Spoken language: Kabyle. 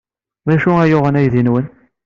D acu ay yuɣen aydi-nwen?